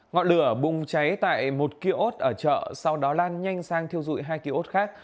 ngọt lửa bùng cháy tại một kia ốt ở chợ sau đó lan nhanh sang thiêu dụi hai kia ốt khác